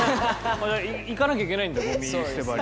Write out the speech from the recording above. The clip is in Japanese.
じゃ行かなきゃいけないんだごみ捨て場に。